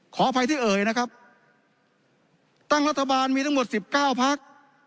ขออภัยที่เอ่ยนะครับตั้งรัฐบาลมีทั้งหมด๑๙พัก